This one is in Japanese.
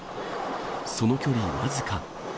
その距離、僅か。